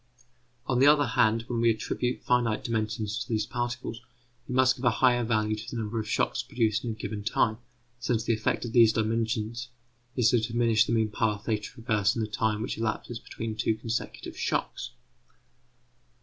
On the other hand, when we attribute finite dimensions to these particles, we must give a higher value to the number of shocks produced in a given time, since the effect of these dimensions is to diminish the mean path they traverse in the time which elapses between two consecutive shocks.